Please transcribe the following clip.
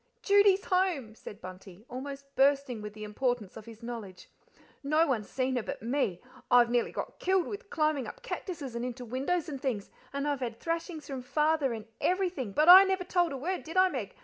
"Judy's home," said Bunty, almost bursting with the importance of his knowledge. "No one's seen her but me; I've nearly got killed with climbing up cactuses and into windows and things, and I've had thrashings from Father and everything, but I never told a word, did I, Meg?